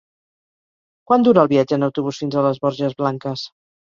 Quant dura el viatge en autobús fins a les Borges Blanques?